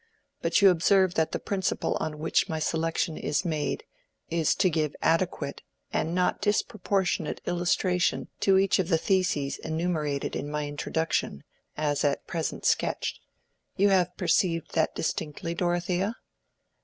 But you observe that the principle on which my selection is made, is to give adequate, and not disproportionate illustration to each of the theses enumerated in my introduction, as at present sketched. You have perceived that distinctly, Dorothea?"